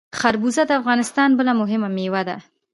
خربوزه د افغانستان بله مهمه میوه ده.